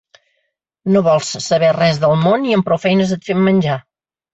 No vols saber res del món i amb prou feines et fem menjar.